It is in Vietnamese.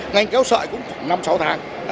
ngành kéo sợi cũng khoảng năm sáu tháng